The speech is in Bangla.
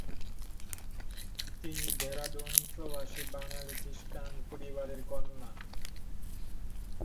তিনি দেরাদুন প্রবাসী বাঙালী খৃষ্টান পরিবারের কন্যা।